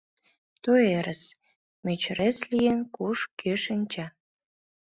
Той ырес Мӧчырес Лийын куш, кӧ шинча?